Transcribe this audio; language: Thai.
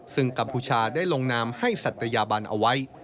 ซึ่งกัมพูชาได้ลงนามให้ศัตยาบันเอาไว้